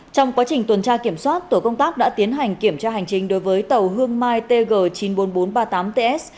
trong quá trình tuần tra kiểm soát tổ công tác đã tiến hành kiểm tra hành trình đối với tàu hương mai tg chín mươi bốn nghìn bốn trăm ba mươi tám ts